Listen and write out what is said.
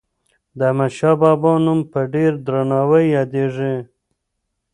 د احمدشاه بابا نوم په ډېر درناوي یادیږي.